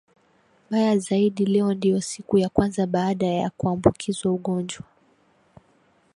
Baya zaidi leo ndio siku ya kwanza baada ya kuambukizwa ugonjwa.